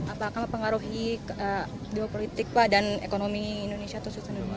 apakah akan mempengaruhi geopolitik pak dan ekonomi indonesia atau sosial indonesia